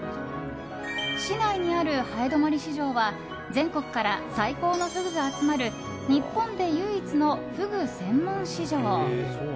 市内にある南風泊市場は全国から最高のフグが集まる日本で唯一のフグ専門市場。